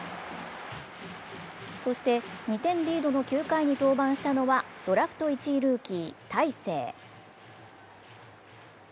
そして、２点リードの９回に登板したのは、ドラフト１位ルーキー・大勢。